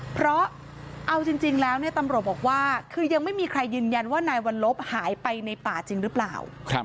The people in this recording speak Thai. เพราะเอาจริงแล้วตำรวจบอกว่าคือยังไม่มีใครยืนยันว่านายวัลลบหายไปในป่าจริงหรือเปล่า